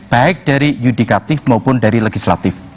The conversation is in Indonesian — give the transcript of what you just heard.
baik dari yudikatif maupun dari legislatif